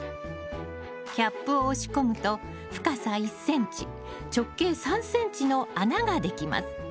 キャップを押し込むと深さ１ｃｍ直径３ｃｍの穴ができます